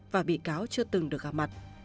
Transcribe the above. và bị cáo chưa từng được gặp mặt